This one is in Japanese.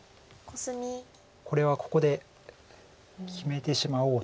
これはここで決めてしまおうと。